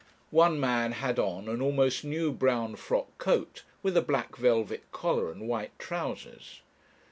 One man had on an almost new brown frock coat with a black velvet collar, and white trousers.